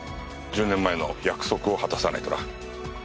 １０年前の約束を果たさないとな。